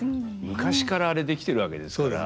昔からあれ出来てるわけですから。